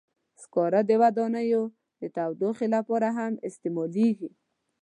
سکاره د ودانیو د تودوخې لپاره هم استعمالېږي.